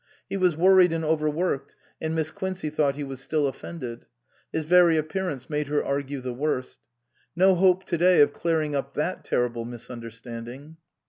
He was worried and overworked, and Miss Quincey thought he was still offended ; his very appearance made her argue the worst. No hope to day of clear ing up that terrible misunderstanding.